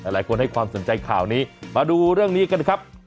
หลายคนให้ความสนใจข่าวนี้มาดูเรื่องนี้กันครับ